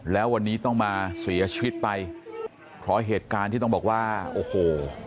แล้ววันนี้ต้องมาเสียชีวิตไปเพราะเหตุการณ์ที่ต้องบอกว่าโอ้โห